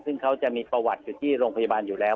ซึ่งเขาจะมีประวัติอยู่ที่โรงพยาบาลอยู่แล้ว